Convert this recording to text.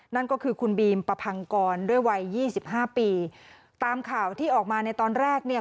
นั่นก็คือคุณบีมประพังกรด้วยวัยยี่สิบห้าปีตามข่าวที่ออกมาในตอนแรกเนี่ย